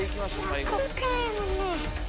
こっからやもんね。